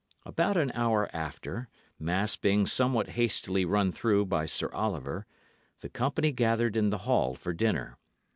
About an hour after, mass being somewhat hastily run through by Sir Oliver, the company gathered in the hall for dinner.